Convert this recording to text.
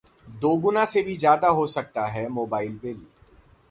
'दोगुना से भी ज्यादा हो सकता है मोबाइल बिल'